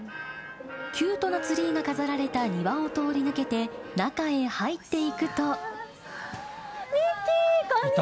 キュートなツリーが飾られた庭を通り抜けて、中へ入っていくと。